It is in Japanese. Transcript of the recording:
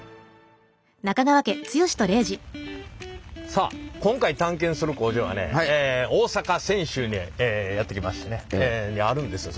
さあ今回探検する工場はねえ大阪・泉州にえやって来ましてねえあるんですよ。